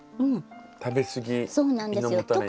食べ過ぎ胃のもたれに。